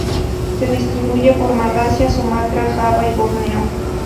Se distribuye por Malasia, Sumatra, Java y Borneo.